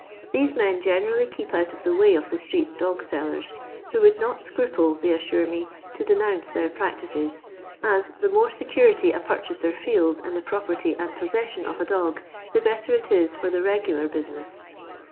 These men generally keep out of the way of the street dog sellers, who would not scruple, they assure me, to denounce their practices, as the more security a purchaser feels in the property and possession of a dog, the better it is for the regular business.